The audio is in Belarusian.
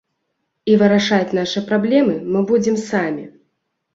І вырашаць нашы праблемы мы будзем самі.